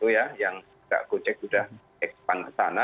yang gojek sudah ekspansi sana